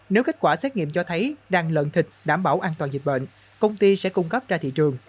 nếu kết quả xét nghiệm cho thấy đang lợn thịt đảm bảo an toàn dịch bệnh công ty sẽ cung cấp ra thị trường